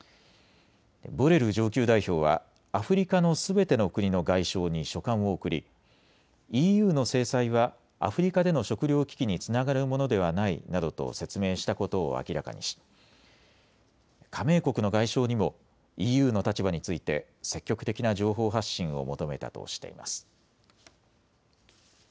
ボレル上級代表はアフリカのすべての国の外相に書簡を送りＥＵの制裁はアフリカでの食料危機につながるものではないなどと説明したことを明らかにし加盟国の外相にもＥＵの立場について積極的な情報発信を求めたとしています。